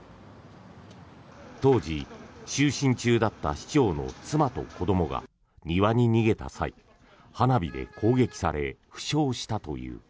当時、就寝中だった市長の妻と子どもが庭に逃げた際、花火で攻撃され負傷したという。